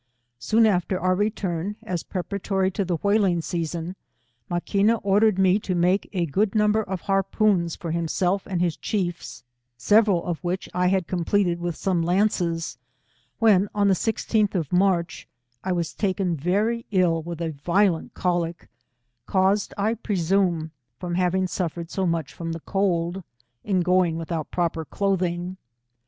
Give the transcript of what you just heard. — Soon aftei our return, as prepara tory to the whaling season, Maquina ordered me to make a good number of harpoons for hirofelf and his chiefs, several of which I had completed with some lances, when on the 16th of March, I was taken very ill with a violent cbolic, caused, I pre sume, from having suffered so much from the cold, in going without proper clothing.